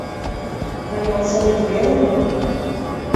Да ялсовет веле мо?